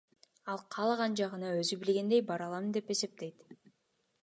Ал каалаган жагына өзү билгендей бара алам деп эсептейт.